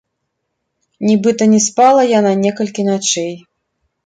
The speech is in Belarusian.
Нібыта не спала яна некалькі начэй.